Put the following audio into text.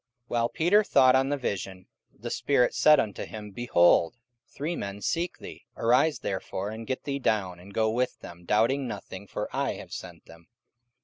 44:010:019 While Peter thought on the vision, the Spirit said unto him, Behold, three men seek thee. 44:010:020 Arise therefore, and get thee down, and go with them, doubting nothing: for I have sent them.